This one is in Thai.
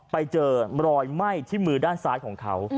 ไปเจอรอยไหม้ที่มือด้านซ้ายของเขา